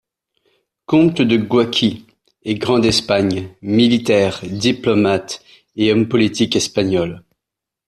Comte de Guaqui et grand d'Espagne, militaire, diplomate et homme politique espagnol.